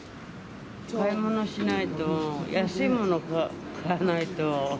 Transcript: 買い物しないと、安いもの買わないと。